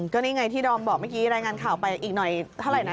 ก็นี่ไงที่ดอมบอกเมื่อกี้รายงานข่าวไปอีกหน่อยเท่าไหร่นะ